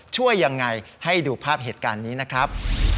ช่วยยังไงให้ดูภาพเหตุการณ์นี้นะครับ